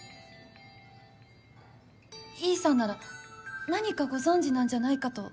維井さんなら何かご存じなんじゃないかと思いまして。